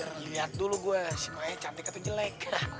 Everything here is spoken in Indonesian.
biar ngeliat dulu gue si maya cantik atau jelek